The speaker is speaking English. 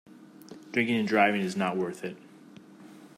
Drinking and driving is not worth it.